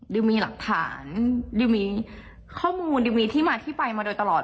มีหลักฐานดิวมีข้อมูลดิวมีที่มาที่ไปมาโดยตลอด